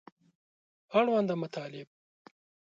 اړونده مطالب